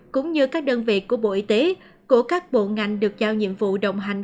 cũng như các đơn vị của bộ y tế của các bộ ngành được giao nhiệm vụ đồng hành